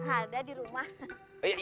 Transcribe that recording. ada di rumah